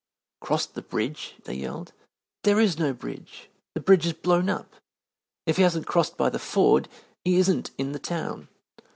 "Crossed the bridge?" they yelled. "There is no bridge! The bridge is blown up! If he hasn't crossed by the ford, he isn't in the town!"